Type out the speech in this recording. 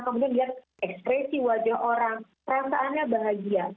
kemudian dia ekspresi wajah orang perasaannya bahagia